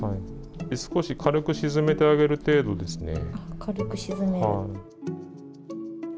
少し軽く沈めてあげる程度ですね。